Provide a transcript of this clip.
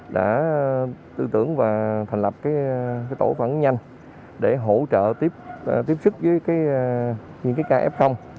đã tư tưởng và thành lập tổ phản ứng nhanh để hỗ trợ tiếp sức với những cài f